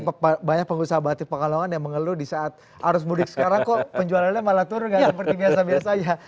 karena banyak pengusaha batik pekalongan yang mengeluh di saat arus mudik sekarang kok penjualannya malah turun gak seperti biasa biasa aja